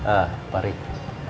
ah pak rik